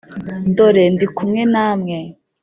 Dore ndi kumwe namwe